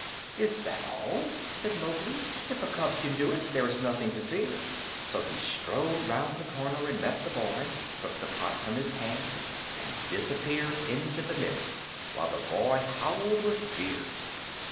"Is that all?" said Mowgli. "If a cub can do it, there is nothing to fear." So he strode round the corner and met the boy, took the pot from his hand, and disappeared into the mist while the boy howled with fear.